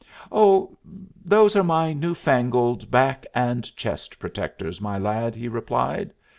"Oh, those are my new fangled back and chest protectors, my lad," he replied.